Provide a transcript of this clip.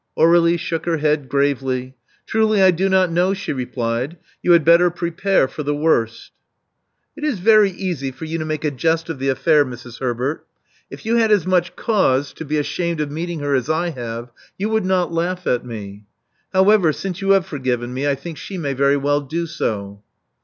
Aur61ie shook her head gravely. Truly, I do not know," she replied. You had better prepare for the worst. '' It is very easy for you to make a jest of the affair, Mrs. Herbert. If you had as much cause to be Love Among the Artists 399 ashamed of meeting her as I have, you would not laugh at me. However, since you have forgiven me, I think she may very well do so."